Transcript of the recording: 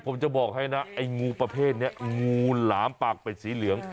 ผมจะบอกให้นะไอ้งูประเภทนี้งูหลามปากเป็ดสีเหลือง